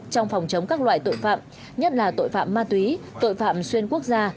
trong phòng chống các loại tội phạm nhất là tội phạm ma túy tội phạm xuyên quốc gia